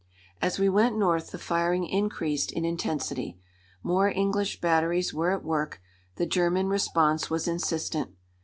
As we went north the firing increased in intensity. More English batteries were at work; the German response was insistent.